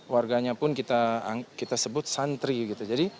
warganya pun kita sebut santri gitu